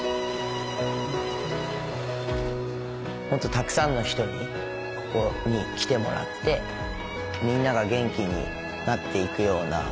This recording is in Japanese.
もっとたくさんの人にここに来てもらってみんなが元気になっていくような。